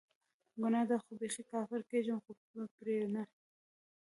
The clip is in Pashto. ګناه ده خو بیخي کافره کیږم خو به پری نه